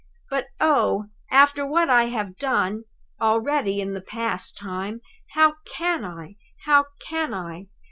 But, oh, after what I have done already in the past time, how can I? how can I?